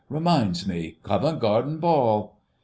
"... Reminds me ... Covent Garden Ball...!"